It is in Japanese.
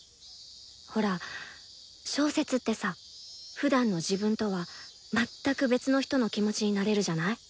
ほら小説ってさふだんの自分とは全く別の人の気持ちになれるじゃない？